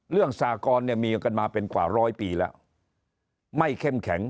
สากรเนี่ยมีกันมาเป็นกว่าร้อยปีแล้วไม่เข้มแข็ง